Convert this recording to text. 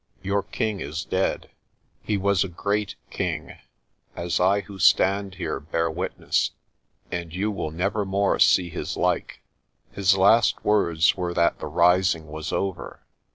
Your king is dead. He was a great king, as I who stand here bear wit ness, and you will never more see his like. His last words were that the rising was over.